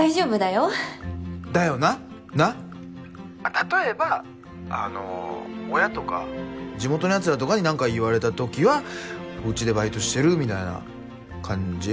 例えばあの親とか地元のやつらとかに何か言われたときはうちでバイトしてるみたいな感じ？